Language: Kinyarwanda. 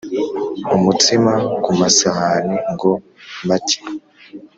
Umutsima ku masahani ngo mati